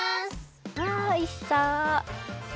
わおいしそう！